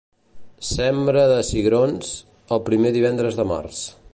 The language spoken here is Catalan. Sembra de cigrons, el primer divendres de març.